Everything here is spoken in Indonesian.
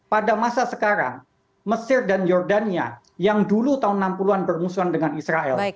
pada masa sekarang mesir dan jordania yang dulu tahun enam puluh an bermusuhan dengan israel